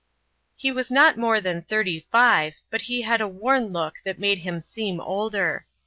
He was not more than thirty five, but he had a worn look that made him seem older.